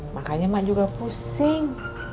makanya mak juga pusing